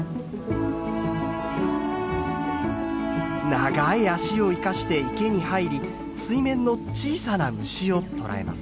長い脚を生かして池に入り水面の小さな虫を捕らえます。